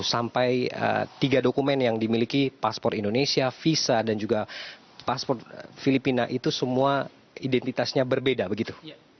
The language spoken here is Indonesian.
sampai tiga dokumen yang dimiliki paspor indonesia visa dan juga paspor filipina itu semua identitasnya berbeda begitu